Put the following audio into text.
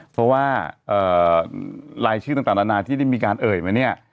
เพราะว่าอาจารย์ที่มีการเอ่ยมา